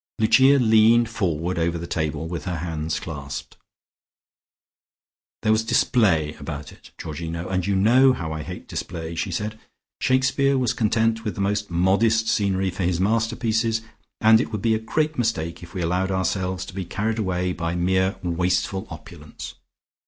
Lucia leaned forward over the table, with her hands clasped. "There was display about it, Georgino, and you know how I hate display," she said. "Shakespeare was content with the most modest scenery for his masterpieces, and it would be a great mistake if we allowed ourselves to be carried away by mere wasteful opulence.